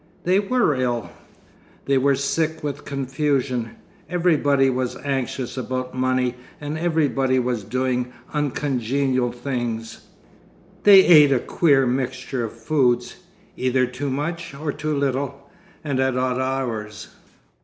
They were ill. They were sick with confusion. Everybody was anxious about money and everybody was doing uncongenial things. They ate a queer mixture of foods, either too much or too little, and at odd hours.